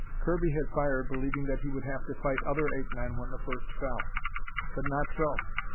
Kirby had fired believing that he would have to fight other ape men when the first fell. But not so.